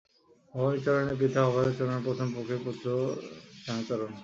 ভবানীচরণের পিতা অভয়াচরণের প্রথম পক্ষের পুত্র শ্যামাচরণ।